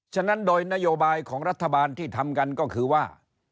ฉะนั้นโดยนโยบายของรัฐบาลที่ทำกันก็คือว่า